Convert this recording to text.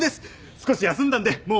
少し休んだんでもう。